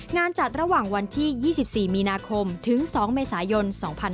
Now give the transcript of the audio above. งานจัดระหว่างวันที่๒๔มีนาคมถึง๒เมษายน๒๕๖๒